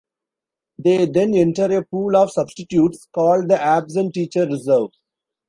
They then enter a pool of substitutes, called the Absent Teacher Reserve.